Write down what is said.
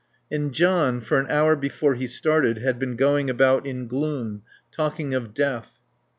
And John, for an hour before he started, had been going about in gloom, talking of death.